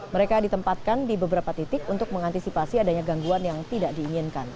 mereka ditempatkan di beberapa titik untuk mengantisipasi adanya gangguan yang tidak diinginkan